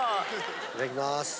いただきます。